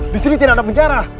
disini tidak ada penjara